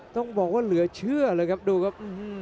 ต้องบอกว่าเหลือเชื่อเลยครับดูครับ